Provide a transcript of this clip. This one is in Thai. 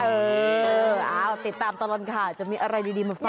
เอาติดตามตลอดค่ะจะมีอะไรดีมาฟัง